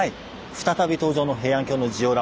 再び登場の平安京のジオラマ。